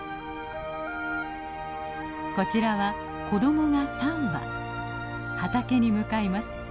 こちらは子どもが３羽畑に向かいます。